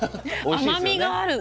甘みがある。